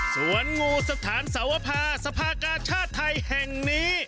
สวนงูสถานสวภาสภากาชาติไทยแห่งนี้